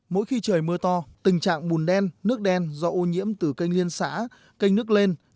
mỗi khi trời mưa to tình trạng bùn đen nước đen do ô nhiễm từ kênh liên xã kênh nước lên